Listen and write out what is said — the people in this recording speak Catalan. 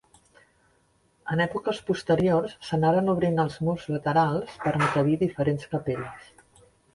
En èpoques posteriors s'anaren obrint els murs laterals per encabir diferents capelles.